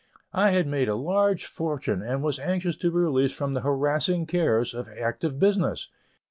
I had made a large fortune and was anxious to be released from the harassing cares of active business.